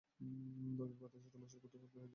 নদীর বাতাসে রমেশের ক্ষুধাবোধ হইতেছিল।